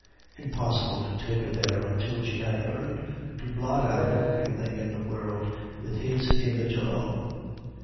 Impossible to take her there until she had learned to blot out everything in the world with his image alone.